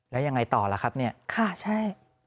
แล้วยังไงต่อล่ะครับเนี่ยค่ะใช่